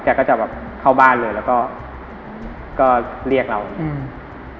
ก็จะแบบเข้าบ้านเลยแล้วก็ก็ก็เรียกเราอืม